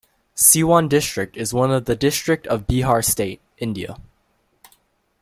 Siwan district is one of the district of Bihar state, India.